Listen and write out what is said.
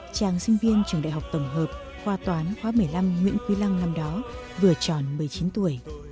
chàng sinh viên trường đại học tổng hợp khoa toán khoa một mươi năm nguyễn quý lăng năm đó vừa tròn một mươi chín tuổi